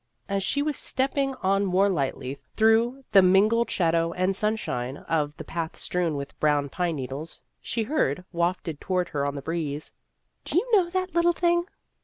As she was stepping on more lightly through the mingled shadow and sunshine of the path strewn with brown pine needles, she heard, wafted toward her on the breeze, " Do you know that little thing?"